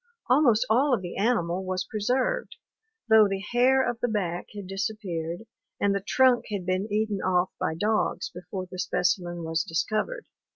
Almost all of the animal was preserved, though the hair of the back had disappeared and the trunk had been eaten off by dogs before the specimen was discovered.